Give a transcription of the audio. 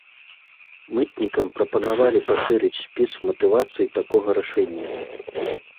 Мытнікам прапанавалі пашырыць спіс матывацый такога рашэння.